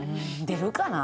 出るかな？